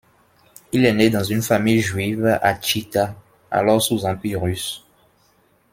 Il est né dans une famille juive à Tchita alors sous Empire russe.